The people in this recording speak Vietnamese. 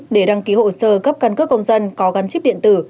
để đăng ký hộ sơ cấp căn cước công dân có gắn chip điện tử